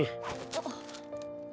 あっ。